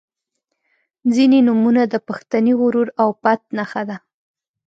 • ځینې نومونه د پښتني غرور او پت نښه ده.